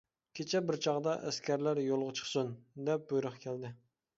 كېچە بىر چاغدا، «ئەسكەرلەر يولغا چىقسۇن! » دەپ بۇيرۇق كەلدى.